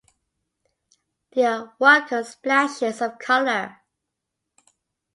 There are welcome splashes of colour.